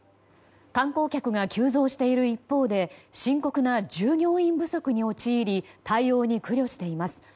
観光客が急増している一方で深刻な従業員不足に陥り対応に苦慮しています。